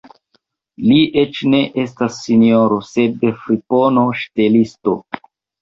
Li eĉ ne estas sinjoro, sed fripono, ŝtelisto!